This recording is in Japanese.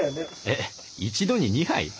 えっ一度に２杯？